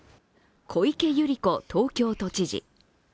小池百合子東京都知事。